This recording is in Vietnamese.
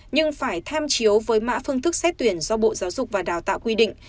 nhưng phải tham chiếu với mã phương thức xét tuyển do bộ giáo dục và đào tạo quy định